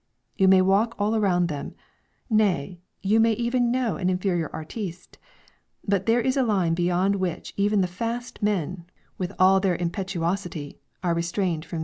You may walk all around them; nay, you may even know an inferior artiste, but there is a line beyond which even the fast men, with all their impetuosity, are restrained from invading.